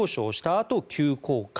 あと急降下。